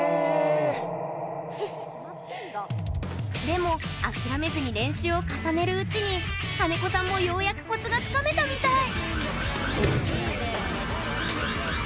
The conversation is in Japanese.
でも、諦めずに練習を重ねるうちに金子さんもようやくコツがつかめたみたい。